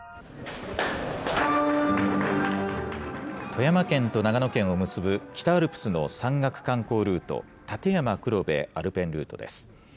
富山県と長野県を結ぶ北アルプスの山岳観光ルート、立山黒部アルペンルートです。